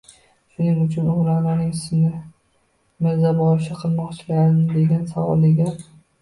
Shuning uchun u Ra’noning “Sizni mirzaboshi qilmoqchilarmi?” degan savoliga